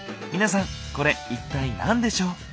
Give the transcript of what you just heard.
皆さんこれ一体何でしょう？